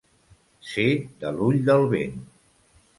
Ser de l'ull del vent.